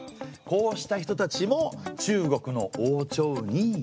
こうした人たちも中国の王朝に。